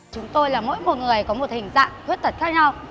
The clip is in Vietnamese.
chúng tôi là mỗi một người có một hình dạng khuyết tật khác nhau